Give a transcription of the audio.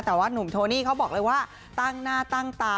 แต่ว่านุ่มโทนี่เขาบอกเลยว่าตั้งหน้าตั้งตา